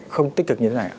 không tích cực như thế này